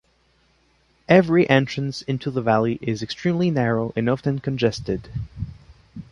Every entrance into the valley is extremely narrow and often congested.